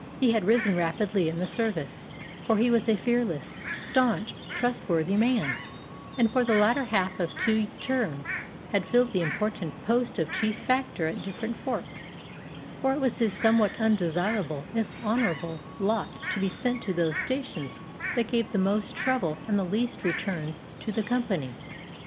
He had risen rapidly in the service, for he was a fearless, stanch, trustworthy man, and for the latter half of two terms had filled the important post of chief factor at different forts; for it was his somewhat undesirable if honourable lot to be sent to those stations that gave the most trouble and the least returns to the company.